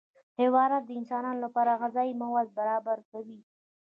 حیوانات د انسانانو لپاره غذایي مواد برابر کوي